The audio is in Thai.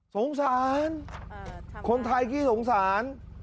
สงสารคนไทยขี้สงสาร